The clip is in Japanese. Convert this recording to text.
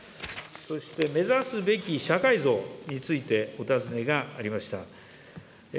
そして目指すべき社会像についてお尋ねがありました。